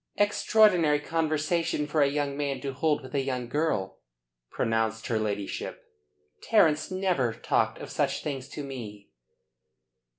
"Extraordinary conversation for a young man to hold with a young girl," pronounced her ladyship. "Terence never talked of such things to me."